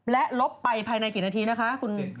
และลบไปภายในกี่นาทีนะคะคุณ